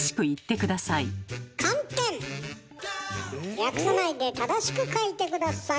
略さないで正しく書いて下さい。